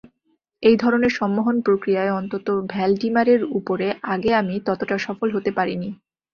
এই ধরনের সম্মোহন প্রক্রিয়ায় অন্তত ভ্যালডিমারের ওপরে আগে আমি ততটা সফল হতে পারিনি।